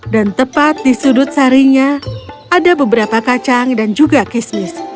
dan tepat di sudut sarinya ada beberapa kacang dan juga kismis